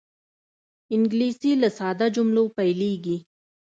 انګلیسي له ساده جملو پیلېږي